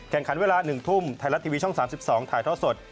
แข่งขันเวลา๑ทุ่มไทยรัฐทีวีช่อง๓๒ถ่ายท่อสด